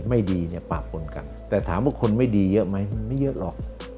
ไม่ดีปราบปนกันแต่ถามว่าคนไม่ดีเยอะไหมไม่เยอะหรอก